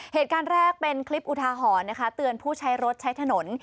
เหตุการณ์แรกเป็นคลิปอุทาหรณ์นะคะเตือนผู้ใช้รถใช้ถนน